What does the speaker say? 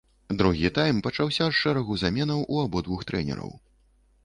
Другі тайм пачаўся з шэрагу заменаў у абодвух трэнераў.